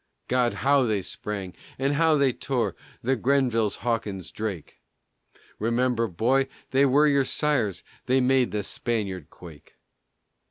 God! how they sprang! And how they tore! The Grenvilles, Hawkins, Drake! Remember, boy, they were your sires! They made the Spaniard quake.